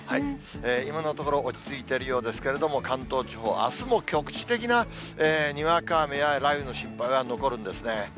今のところ、落ち着いているようですけれども、関東地方、あすも局地的なにわか雨や雷雨の心配は残るんですね。